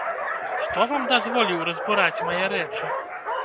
Хто вам дазволіў разбураць мае рэчы?